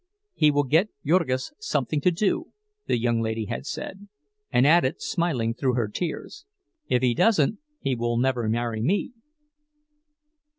"He will get Jurgis something to do," the young lady had said, and added, smiling through her tears—"If he doesn't, he will never marry me."